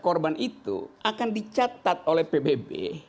tiga puluh tiga korban itu akan dicatat oleh pbb